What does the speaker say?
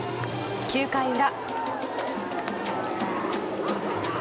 ９回裏。